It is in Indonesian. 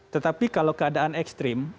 tetapi kalau keadaan ekstrim